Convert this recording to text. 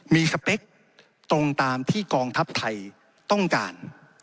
มีสเปคตรงตามที่กองทัพไทยต้องการ